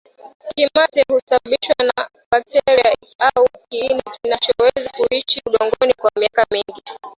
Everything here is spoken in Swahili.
Kimeta husababishwa na bakteria au kiini kinachoweza kuishi udongoni kwa miaka mingi